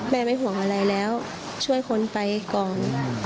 ไม่ห่วงอะไรแล้วช่วยคนไปก่อน